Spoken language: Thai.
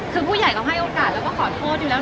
คือผู้ใหญ่ก็ให้โอกาสแล้วก็ขอโทษอยู่แล้ว